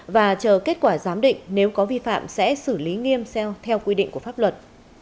và chờ kết quả giám định nếu có vi phạm sẽ xử lý nghiêm theo quy định của pháp luật